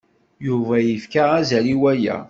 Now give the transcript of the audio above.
Yuba yefka azal i waya.